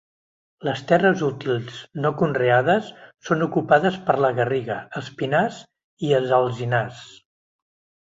Les terres útils no conreades són ocupades per la garriga, els pinars i els alzinars.